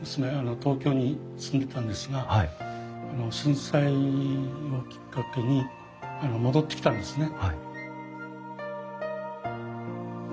東京に住んでたんですが震災をきっかけに戻ってきたんですね。